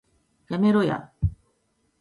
やめろや